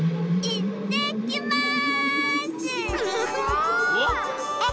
いってきます！